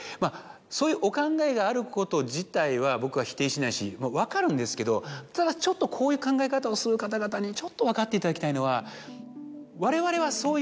そういうお考えがあること自体は僕は否定しないし分かるんですけどただちょっとこういう考え方をする方々にちょっと分かっていただきたいのは。